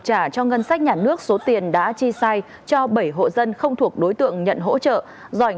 trả cho ngân sách nhà nước số tiền đã chi sai cho bảy hộ dân không thuộc đối tượng nhận hỗ trợ do ảnh